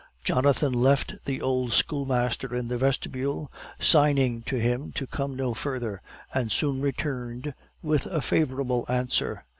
Jonathan left the old schoolmaster in the vestibule, signing to him to come no further, and soon returned with a favorable answer.